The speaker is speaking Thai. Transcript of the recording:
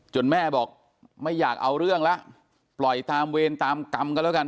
แม่บอกไม่อยากเอาเรื่องแล้วปล่อยตามเวรตามกรรมกันแล้วกัน